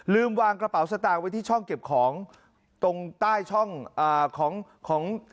ลืมวางกระเป๋าสตางค์ไว้ที่ช่องเก็บของ